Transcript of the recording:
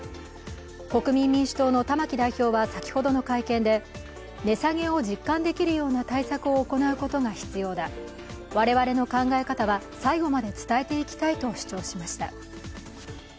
国民民主党の玉木代表は先ほどの会見で値下げを実感できるような対策を行うことが必要だ、我々の考え方は最後まで伝えていきたいと主張しました。